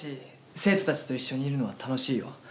生徒たちといっしょにいるのは楽しいよ。